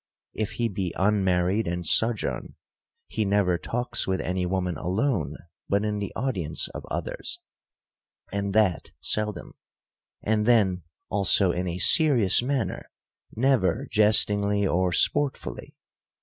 If he be unmarried, and sojourn, he never talks with any woman alone, but in the audience of others ; and that seldom ; and then also in a serious manner, never jestingly or sportfully.